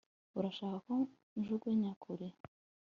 urashaka ko njugunya kure